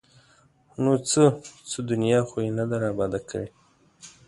ـ نو څه؟ څه دنیا خو یې نه ده اباد کړې!